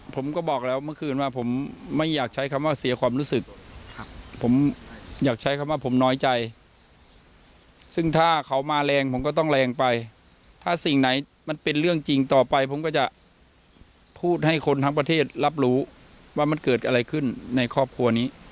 ผมก็บอกแล้วเมื่อคืนว่าผมไม่อยากใช้คำว่าเสียความรู้สึกผมอยากใช้คำว่าผมน้อยใจซึ่งถ้าเขามาแรงผมก็ต้องแรงไปถ้าสิ่งไหนมันเป็นเรื่องจริงต่อไปผมก็จะพูดให้คนทั้งประเทศรับรู้ว่ามันเกิดอะไรขึ้นในครอบครัวนี้